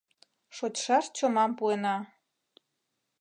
Шочшаш чомам пуэна.